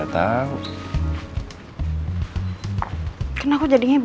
kira kira yang bagus yang mana mas